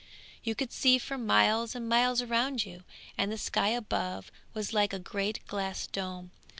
You could see for miles and miles around you, and the sky above was like a great glass dome.